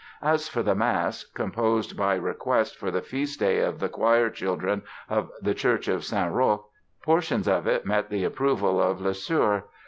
As for the Mass, composed by request for the feast day of the choir children of the Church of Saint Roch, portions of it met the approval of Lesueur.